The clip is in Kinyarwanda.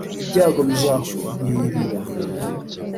Ibyago bizakugwirira .